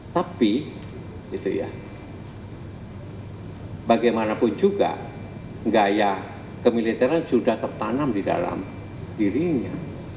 tapi bagaimanapun juga gaya kemiliteran sudah tertanam di dalam dirinya